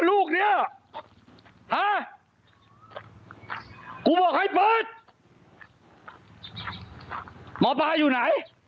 ดูสิฮะ